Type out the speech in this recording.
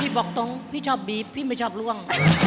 บอกตรงพี่ชอบบีบพี่ไม่ชอบล่วง